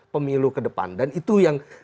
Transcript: pemilu ke depan dan itu yang